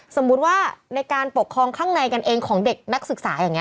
สมมุติว่าในการปกครองข้างในกันเองของเด็กนักศึกษาอย่างนี้